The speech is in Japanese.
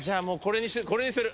これにする。